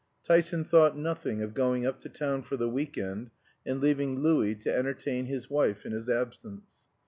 Tyson thought nothing of going up to town for the week end and leaving Louis to entertain his wife in his absence.